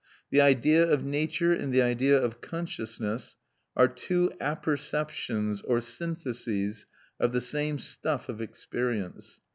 The idea of nature and the idea of consciousness are two apperceptions or syntheses of the same stuff of experience.